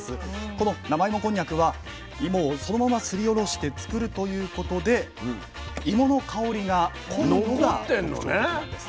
この生芋こんにゃくは芋をそのまますりおろして作るということで芋の香りが濃いことが特徴的なんです。